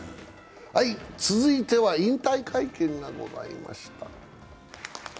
続いては引退会見がございました。